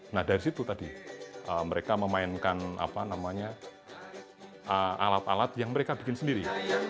nah dari situ tadi mereka memainkan alat alat yang mereka bikin sendiri